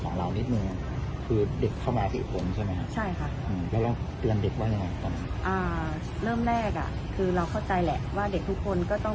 คุณเจอเกิดขอบคิดของเรานิดหนึ่ง